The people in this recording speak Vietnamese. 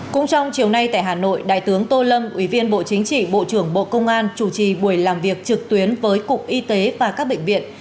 cũng trong chiều nay tại hà nội đại tướng tô lâm ủy viên bộ chính trị bộ trưởng bộ công an chủ trì buổi làm việc trực tuyến với cục y tế và các bệnh viện